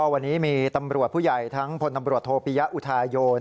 วันนี้มีตำรวจผู้ใหญ่ทั้งพลตำรวจโทปิยะอุทาโยน